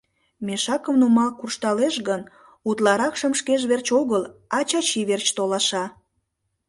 Мешакым нумал куржталеш гын, утларакшым шкеж верч огыл, а Чачи верч толаша.